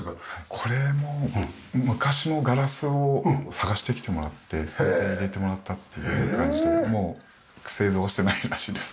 これも昔のガラスを探してきてもらってそれで入れてもらったっていう感じでもう製造してないらしいです。